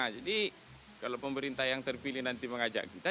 jadi kalau pemerintah yang terpilih nanti mengajak kita